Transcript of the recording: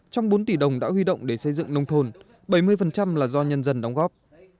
trong bốn tỷ đồng đã huy động để xây dựng nông thôn bảy mươi là do nhân dân đóng góp